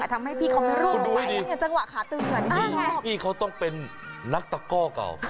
ทำให้พี่เขาไม่ร่วมไปคุณดูดิพี่เขาต้องเป็นนักตะก้อก่อน